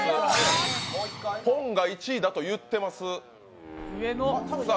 ポンが１位だと言っています。